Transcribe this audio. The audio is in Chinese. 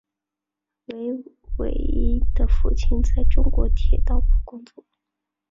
韦唯的父亲在中国铁道部工作。